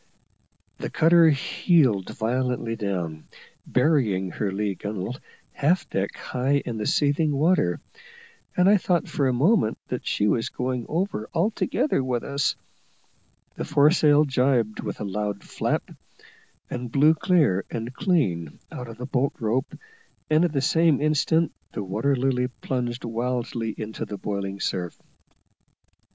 The cutter heeled violently down, burying her lee gunwale half deck high in the seething water, and I thought for a moment that she was going over altogether with us; the foresail jibed with a loud flap, and blew clear and clean out of the bolt rope, and at the same instant the Water Lily plunged wildly into the boiling surf.